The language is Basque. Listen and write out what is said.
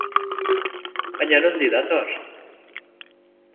Baina nondik dator?